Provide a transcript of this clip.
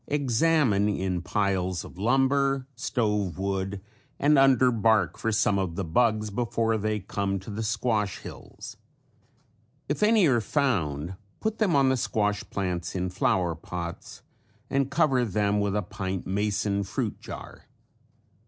Examine in piles of lumber, stove wood and under bark for some of the bugs before they come to the squash hills. If any are found put them on the squash plants in flower pots and cover them with a pint mason fruit jar.